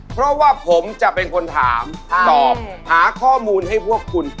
เพราะว่าผมจะเป็นคนถามตอบหาข้อมูลให้พวกคุณ